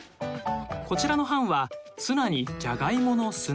こちらの班はツナにジャガイモのスナック。